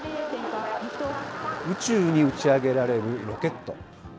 宇宙に打ち上げられるロケット。